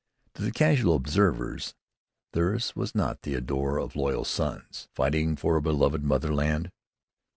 To the casual observer, theirs was not the ardor of loyal sons, fighting for a beloved motherland.